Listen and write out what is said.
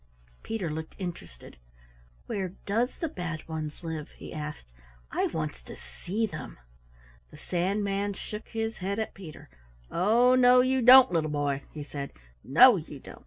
Peter looked interested. "Where does the Bad Ones live?" he asked. "I wants to see them." The Sandman shook his head at Peter. "Oh, no, you don't, little boy," he said. "No, you don't!